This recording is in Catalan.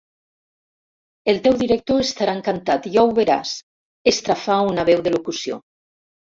El teu director estarà encantat, ja ho veuràs —estrafà una veu de locució—.